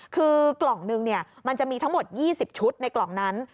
คือกล่องนึงมันจะมีทั้งหมด๒๐ชุดในกล่องนั้น